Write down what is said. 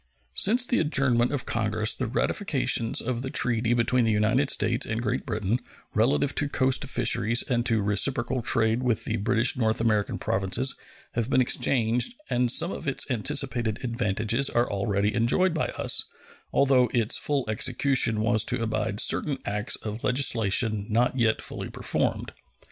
Since the adjournment of Congress the ratifications of the treaty between the United States and Great Britain relative to coast fisheries and to reciprocal trade with the British North American Provinces have been exchanged, and some of its anticipated advantages are already enjoyed by us, although its full execution was to abide certain acts of legislation not yet fully performed.